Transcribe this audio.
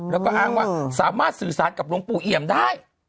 แล้วก็อ้างว่าสามารถสื่อสารกับหลวงปู่เอี่ยมได้